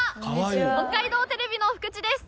北海道テレビの福地です。